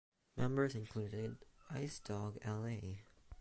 Members included Ice Dog, L. A.